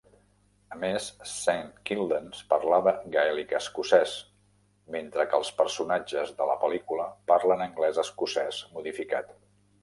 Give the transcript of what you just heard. A més, Saint Kildans parlava gaèlic escocès, mentre que els personatges de la pel·lícula parlen anglès escocès modificat.